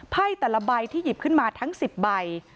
แต่ละใบที่หยิบขึ้นมาทั้ง๑๐ใบ